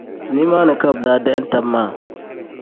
Nimaa ni ka bɛ daa dahim taba maa.